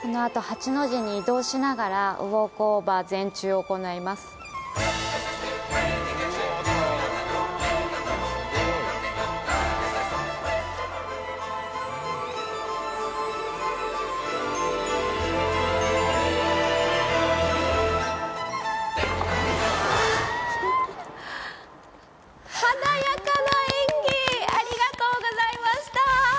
このあと８の字に移動しながらウォークオーバー、前宙を行います華やかな演技、ありがとうございました。